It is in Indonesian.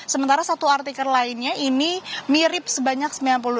sementara satu artiker lainnya ini mirip sebanyak sembilan puluh delapan